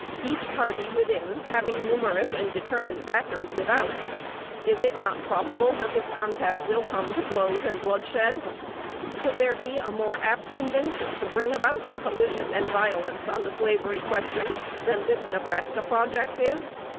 Each party within having numerous and determined backers without, is it not probable that the contest will come to blows and bloodshed? Could there be a more apt invention to bring about a collision and violence on the slavery question than this Nebraska project is?